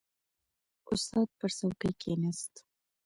• استاد پر څوکۍ کښېناست.